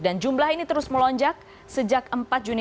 dan jumlah ini terus melonjak sejak empat juni dua ribu dua puluh